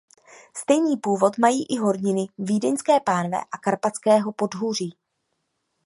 Stejný původ mají i horniny Vídeňské pánve a Karpatského podhůří.